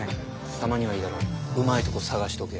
たまにはいいだろううまいとこ探しておけ。